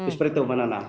seperti itu manana